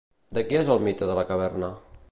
De qui és el mite de la caverna?